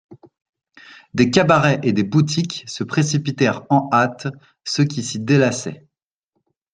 Des cabarets et des boutiques se précipitèrent en hâte ceux qui s'y délassaient.